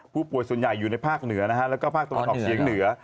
ผู้ป่วยส่วนใหญ่อยู่ในภาคเหนือนะฮะแล้วก็ภาคตะวันออกเฉียงเหนือ